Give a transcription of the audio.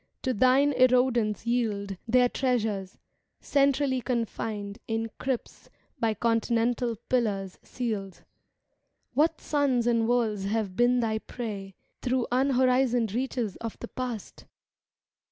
To thine erodents yield Their treasures, centrally confined In crypts by continental pillars sealed. What suns and worlds have been thy prey Through unhorizoned reaches of the past!